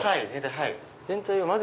はい。